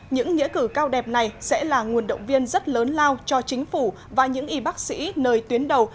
những nghĩa cử cao đẹp này sẽ là nguồn động viên rất lớn lao cho chính phủ và những y bác sĩ nơi tuyến đầu